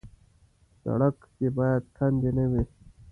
سړک کې باید کندې نه وي.